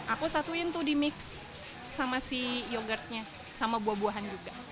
aku satuin tuh di mix sama si yogurtnya sama buah buahan juga